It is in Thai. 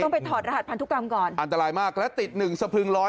ต้องไปถอดรหัสพันธุกรรมก่อนอันตรายมากและติด๑สะพึง๑๐๐